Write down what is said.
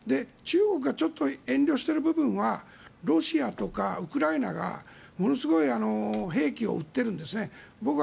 中国がちょっと遠慮している部分はロシアとかウクライナがものすごい兵器を売っているんですね。